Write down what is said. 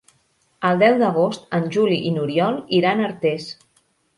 El deu d'agost en Juli i n'Oriol iran a Artés.